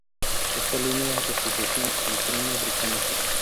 Está en la línea de sucesión al trono británico.